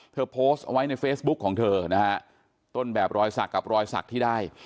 โพสต์เอาไว้ในเฟซบุ๊กของเธอนะฮะต้นแบบรอยสักกับรอยสักที่ได้